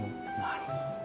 なるほど。